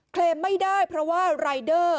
เคลมไม่ได้เพราะว่ารายเดอร์